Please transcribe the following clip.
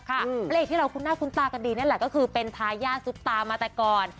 ประแอบที่เราคุณนับคุ้นตากันดีนี่แหละเป็นทายน์ซุปตาเมื่อแต่ก่อน